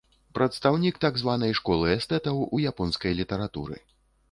Прадстаўнік так званай школы эстэтаў у японскай літаратуры.